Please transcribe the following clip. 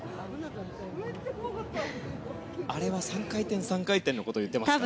あれは３回転、３回転のことを言ってますかね？